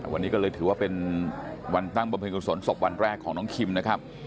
วันนี้ก็เลยถือว่าเป็นวันตั้งบำเพ็ญกุศลศพวันแรกของน้องคิมนะครับ